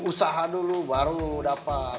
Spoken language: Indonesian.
usaha dulu baru dapat